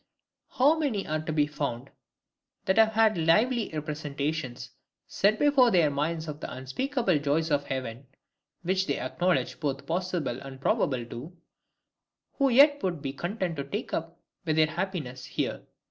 How many are to be found that have had lively representations set before their minds of the unspeakable joys of heaven, which they acknowledge both possible and probable too, who yet would be content to take up with their happiness here?